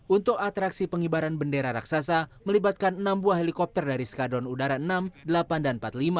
untuk atraksi pengibaran bendera raksasa melibatkan enam buah helikopter dari skadron udara enam delapan dan empat puluh lima